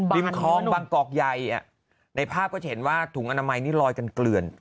ริมคล้องบางกอกใหญ่ในภาพก็จะเห็นว่าถุงอนามัยนี่ลอยกันเกลื่อน